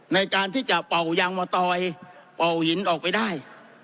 ในการที่จะเป่ายางมะตอยเป่าหินออกไปได้